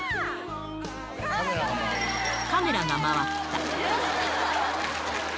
カメラが回った。